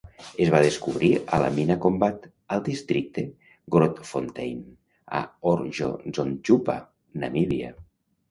Es va descobrir a la mina Kombat, al districte Grootfontein, a Orjozondjupa, Namíbia.